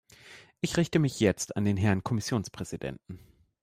Ich richte mich jetzt an den Herrn Kommissionspräsidenten.